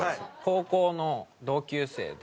高校の同級生で。